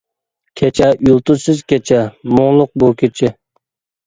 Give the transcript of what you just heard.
كېچە، يۇلتۇزسىز كېچە، مۇڭلۇق بۇ كېچە.